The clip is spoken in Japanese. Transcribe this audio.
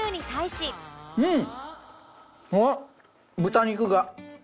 うん！